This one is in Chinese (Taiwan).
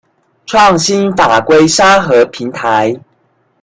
創新法規沙盒平台